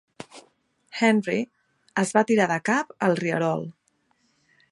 Henry es va tirar de cap al rierol.